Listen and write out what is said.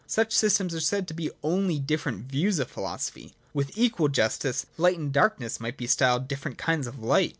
Such systems are said to be only different views of philosophy. With equal justice, light and darkness might be styled different kinds of light.